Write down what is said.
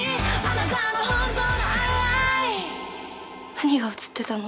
何が写ってたの？